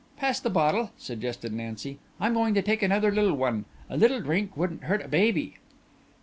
"Pass the bottle," suggested Nancy. "I'm going to take another little one. A little drink wouldn't hurt a baby.